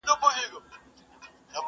• مِکروب د جهالت مو له وجود وتلی نه دی..